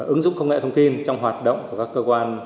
ứng dụng công nghệ thông tin trong hoạt động của các cơ quan